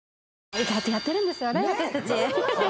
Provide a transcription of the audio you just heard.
意外とやってるんですよね私たち。